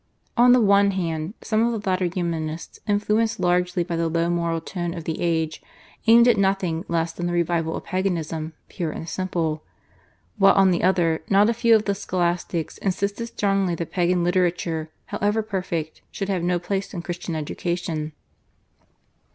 On the one hand, some of the later Humanists, influenced largely by the low moral tone of the age, aimed at nothing less than the revival of Paganism, pure and simple; while, on the other, not a few of the Scholastics insisted strongly that Pagan literature, however perfect, should have no place in Christian education.